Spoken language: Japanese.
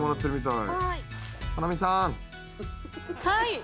はい。